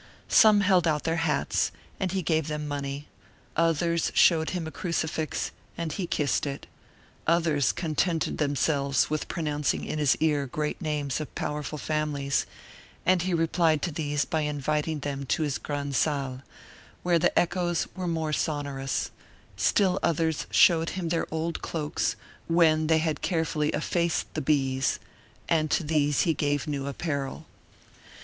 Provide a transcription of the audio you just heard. Some held out their hats, and he gave them money; others showed him a crucifix, and he kissed it; others contented themselves with pronouncing in his ear great names of powerful families, and he replied to these by inviting them into his grand' salle, where the echoes were more sonorous; still others showed him their old cloaks, when they had carefully effaced the bees, and to these he gave new apparel.